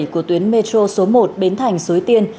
của tuyến metro số một bến thành xuối tiên